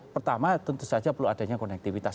pertama tentu saja perlu adanya konektivitas